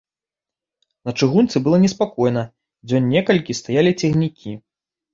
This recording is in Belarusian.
На чыгунцы было неспакойна, дзён некалькі стаялі цягнікі.